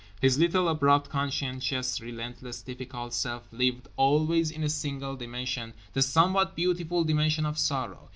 His little, abrupt, conscientious, relentless, difficult self lived always in a single dimension—the somewhat beautiful dimension of Sorrow.